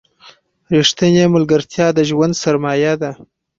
رښتینې ملګرتیا د ژوند سرمایه ده.